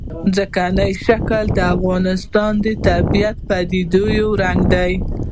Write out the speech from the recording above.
ځمکنی شکل د افغانستان د طبیعي پدیدو یو رنګ دی.